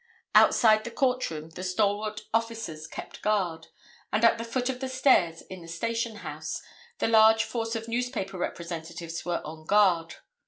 Outside the court room the stalwart officers kept guard, and at the foot of the stairs in the station house the large force of newspaper representatives were on guard.